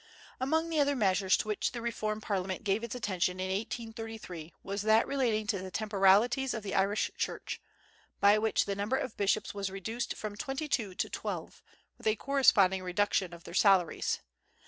Among other measures to which the reform Parliament gave its attention in 1833 was that relating to the temporalities of the Irish Church, by which the number of bishops was reduced from twenty two to twelve, with a corresponding reduction of their salaries.